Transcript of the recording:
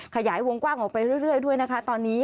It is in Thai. ขยายวงกว้างออกไปเรื่อยด้วยนะคะตอนนี้